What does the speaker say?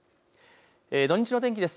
土日の天気です。